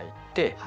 はい。